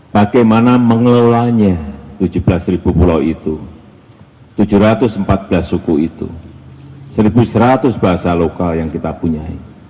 bagaimana mengelolanya tujuh belas pulau itu tujuh ratus empat belas suku itu satu seratus bahasa lokal yang kita punya